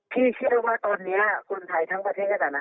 พี่เชื่อว่าตอนนี้คนไทยทั้งประเทศ